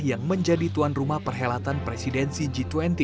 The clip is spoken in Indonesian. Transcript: yang menjadi tuan rumah perhelatan presidensi g dua puluh